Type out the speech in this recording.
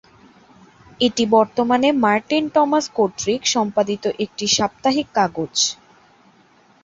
এটি বর্তমানে Martin Thomas কর্তৃক সম্পাদিত একটি সাপ্তাহিক কাগজ।